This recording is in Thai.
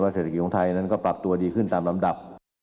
เศรษฐกิจของไทยนั้นก็ปรับตัวดีขึ้นตามลำดับ